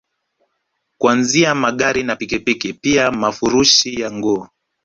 Kuanzia Magari na pikipiki pia mafurushi ya nguo